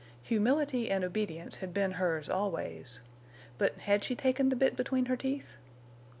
Humility and obedience had been hers always. But had she taken the bit between her teeth?